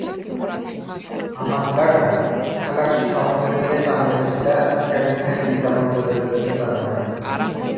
ამას გარდა, ქალაქში თავმოყრილია წამლების და ეთერზეთების დამამზადებელი საწარმოები.